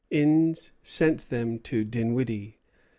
Innes sent them to Dinwiddie.